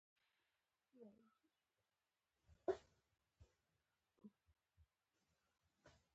د ماشوم سترګې باید پاکې وساتل شي۔